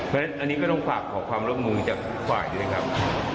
เพราะฉะนั้นอันนี้ก็ต้องฝากขอความร่วมมือจากทุกฝ่ายด้วยครับ